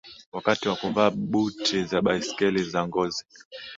Wakati wa kuvaa buti za baiskeli za ngozi